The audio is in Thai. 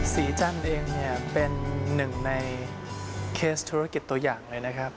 สีจันทร์เองเนี่ยเป็นหนึ่งในเคสธุรกิจตัวอย่างเลยนะครับ